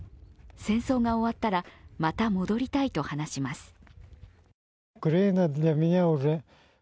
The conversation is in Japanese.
戦争が終わったらまた戻りたいと話します。